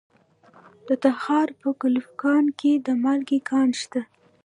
د تخار په کلفګان کې د مالګې کان شته.